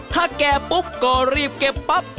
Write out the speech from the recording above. ถ้าแก่ปุ๊บก็รีบเก็บปั๊บ